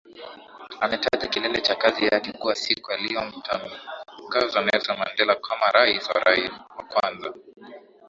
ametaja kilele cha kazi yake kuwa siku aliyomtangaza Nelson Mandela kama rais wa kwanza